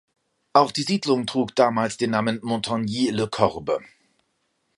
Auch die Siedlung trug damals den Namen Montagny-le-Corbe.